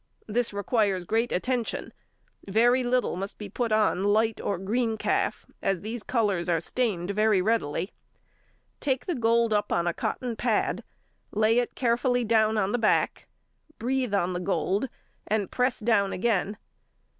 This requires great attention. Very little must be put on light or green calf, as these colours are stained very readily. Take the gold up on a cotton pad; lay it carefully down on the back; breathe on the gold, and press down again.